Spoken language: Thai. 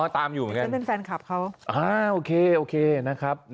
ตามอยู่ไงกันก็เป็นแฟนคลับเขาค่ะโอเคนะครับ